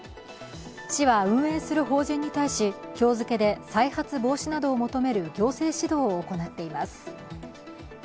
市は運営する法人に対し今日付けで再発防止などを求める行政指導を行っています。